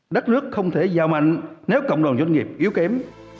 đất nước không thể giàu mạnh nếu cộng đồng doanh nghiệp yếu kém